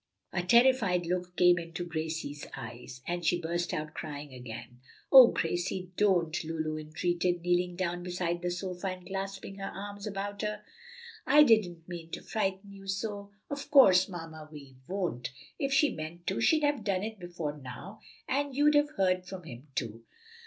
A terrified look came into Gracie's eyes, and she burst out crying again. "O Gracie, don't!" Lulu entreated, kneeling down beside the sofa and clasping her arms about her. "I didn't mean to frighten you so. Of course, Mamma Vi won't; if she meant to she'd have done it before now, and you'd have heard from him, too."